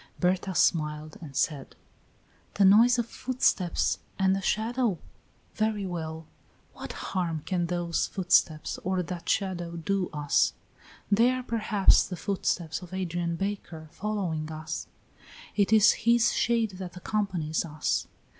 Berta smiled and said: "The noise of footsteps and a shadow? Very well; what harm can those footsteps or that shadow do us? They are perhaps the footsteps of Adrian Baker following us; it is his shade that accompanies us.